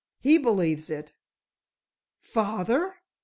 He believes it." "Father!"